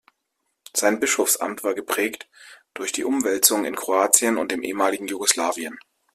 Sein Bischofsamt war geprägt durch die Umwälzungen in Kroatien und dem ehemaligen Jugoslawien.